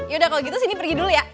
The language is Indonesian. yaudah kalau gitu sini pergi dulu ya